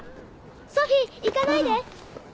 ソフィー行かないで！